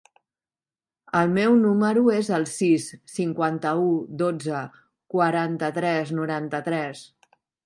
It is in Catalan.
El meu número es el sis, cinquanta-u, dotze, quaranta-tres, noranta-tres.